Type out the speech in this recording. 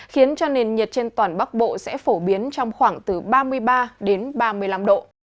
khiến cho nền nhiệt trên toàn bắc bộ sẽ phổ biến trong khoảng từ ba mươi ba đến ba mươi năm độ